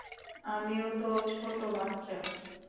আমিও তো ছোট বাচ্চা।